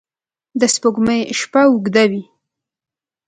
د سپوږمۍ شپه اوږده وي